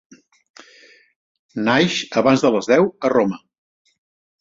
Naix abans de les deu a Roma.